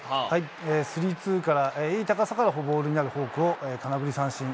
スリーツーからいい高さからボールになるフォークを空振り三振。